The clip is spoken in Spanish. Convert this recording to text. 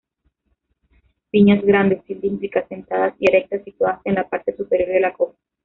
Piñas grandes, cilíndricas, sentadas y erectas, situadas en la parte superior de la copa.